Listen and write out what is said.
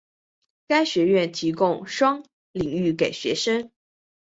该学院提供双领域给学生。